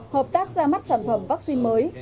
hợp tác ra mắt sản phẩm vaccine mới